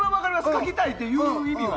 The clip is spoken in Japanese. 描きたいという意味は。